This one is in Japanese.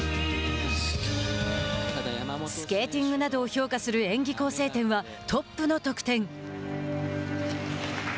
スケーティングなどを評価する演技構成点はトップの得点。